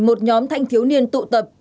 một nhóm thanh thiếu niên tụ tập